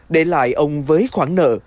để lại ông với khoản nợ